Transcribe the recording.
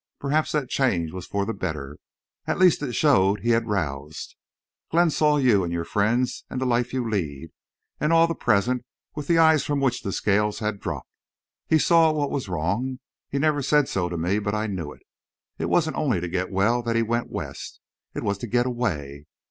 Perhaps that change was for the better. At least it showed he'd roused. Glenn saw you and your friends and the life you lead, and all the present, with eyes from which the scales had dropped. He saw what was wrong. He never said so to me, but I knew it. It wasn't only to get well that he went West. It was to get away....